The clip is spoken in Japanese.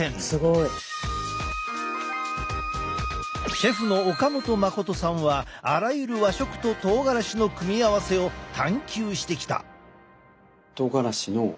シェフの岡元信さんはあらゆる和食ととうがらしの組み合わせを探求してきた。